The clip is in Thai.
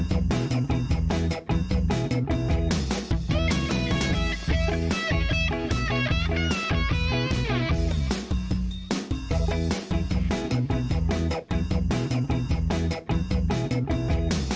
สวัสดีครับ